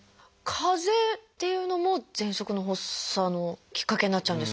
かぜっていうのもぜんそくの発作のきっかけになっちゃうんですか？